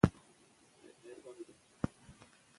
کارکوونکې ښځې پر ځان باور زیات احساسوي.